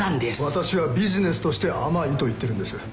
私はビジネスとして甘いと言ってるんです。